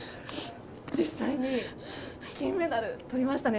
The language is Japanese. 実際に金メダルを取りましたね。